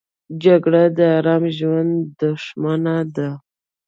جګړه د آرام ژوند دښمنه ده